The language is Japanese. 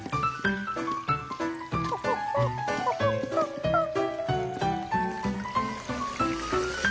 トホホホホホッホッ。